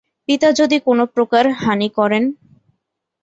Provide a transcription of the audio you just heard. পিতা যদি কোনোপ্রকার হানি করেন।